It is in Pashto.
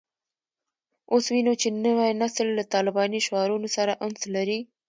اوس وینو چې نوی نسل له طالباني شعارونو سره انس لري